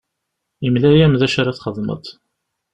Yemla-am d acu ara txedmeḍ.